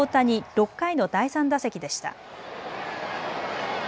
６回の第３打席でした。